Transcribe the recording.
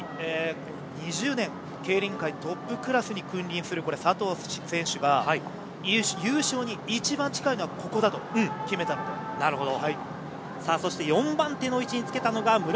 ２０年、競輪界トップクラスに君臨する佐藤選手は優勝に一番近いのはここだと決めたということです。